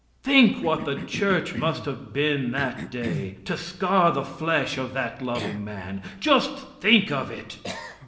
Think what the Church must have been that day to scar the flesh of that loving man! Just think of it!